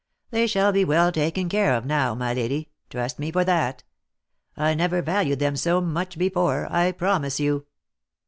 They shall be well taken care of now, my lady, trust me for that ; I never valued them so much before, I promise you."